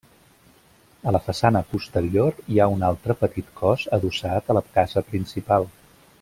A la façana posterior hi ha un altre petit cos adossat a la casa principal.